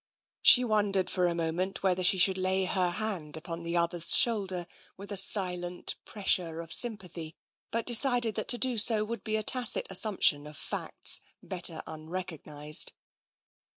She wondered for a moment whether she should lay her hand upon the other's shoulder with a silent pressure of sympathy, but de cided that to do so would be a tacit assumption of facts better unrecognised.